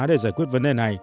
để giải quyết vấn đề